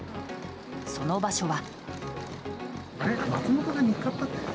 その場所は。